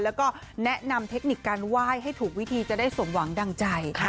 แล้วก็แนะนำเทคนิคการไหว้ให้ถูกวิธีจะได้สมหวังดังใจ